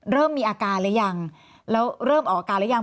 เริ่มมีอาการหรือยังแล้วเริ่มออกอาการหรือยัง